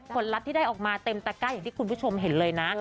ลัพธ์ที่ได้ออกมาเต็มตะก้าอย่างที่คุณผู้ชมเห็นเลยนะ